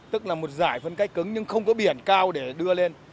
tức là một giải phân cách cứng nhưng không có biển cao để đưa lên